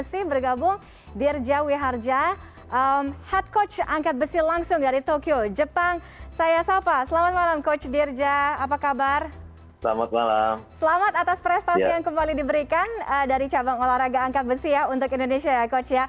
selamat malam atas prestasi yang kembali diberikan dari cabang olahraga angkat besi ya untuk indonesia ya coach ya